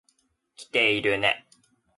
来ているね。